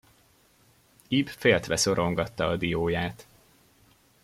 Ib féltve szorongatta a dióját.